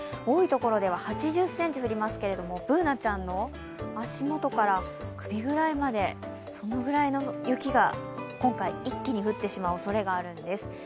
多い所では８０ｃｍ降りますが、Ｂｏｏｎａちゃんの足元から首ぐらいまで、そのぐらいの雪が今回一気に降ってしまうおそれがあるんです。